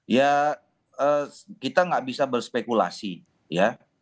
ya kita nggak bisa berspekulasi ya